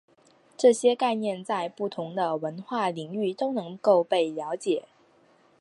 这些概念在不同的文化领域都能够被了解。